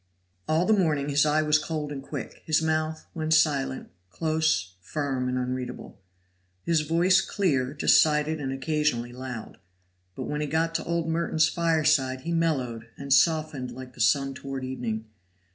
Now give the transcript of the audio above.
All the morning his eye was cold and quick; his mouth, when silent, close, firm, and unreadable; his voice clear, decided, and occasionally loud. But when he got to old Merton's fireside he mellowed and softened like the sun toward evening.